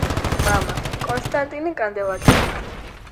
მამა: კონსტანტინე კანდელაკი.